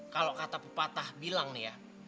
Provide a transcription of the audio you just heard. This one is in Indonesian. kalau kata pepatah bilang nih ya